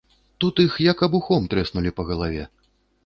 Тут іх як абухом трэснулі па галаве.